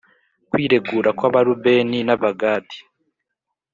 Kwiregura kw Abarubeni n Abagadi